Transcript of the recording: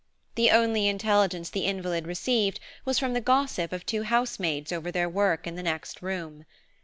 The only intelligence the invalid received was from the gossip of two housemaids over their work in the next room.